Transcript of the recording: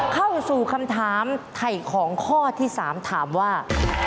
เข้าสู่คำถามไถ่ของข้อที่๓ถามว่า